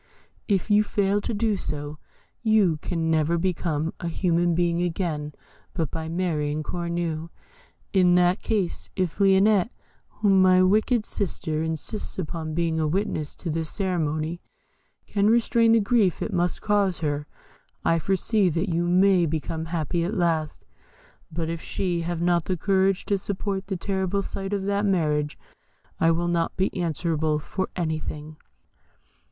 If you fail to do so, you can never become a human being again but by marrying Cornue. In that case, if Lionette, whom my wicked sister insists upon being a witness to this ceremony, can restrain the grief it must cause her, I foresee that you may become happy at last; but if she have not the courage to support the terrible sight of that marriage, I will not be answerable for anything."